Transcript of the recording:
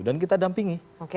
dan kita dampingi